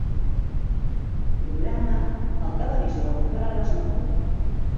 Programa el televisor per a les nou.